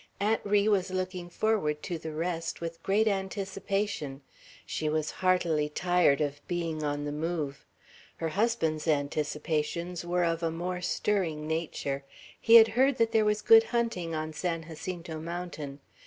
Aunt Ri was looking forward to the rest with great anticipation; she was heartily tired of being on the move. Her husband's anticipations were of a more stirring nature. He had heard that there was good hunting on San Jacinto Mountain.